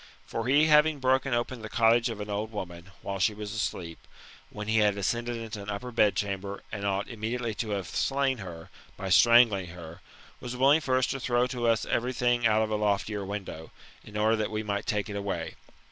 For he having broken open the little cottage of an old woman, while she was asleep^ when he had ascended into an upper bed cham ber, and ought immediately to have slain her, by strangling her, was willing first to throw to us every thing out of a loftier win dow, in order that we might take it away.